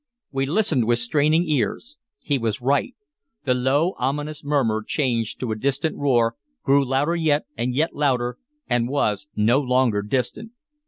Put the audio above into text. We listened with straining ears. He was right. The low, ominous murmur changed to a distant roar, grew louder yet, and yet louder, and was no longer distant.